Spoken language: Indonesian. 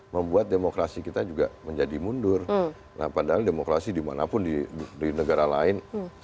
membuat demokrasi kita juga menjadi mundur nah padahal demokrasi dimanapun di negara lain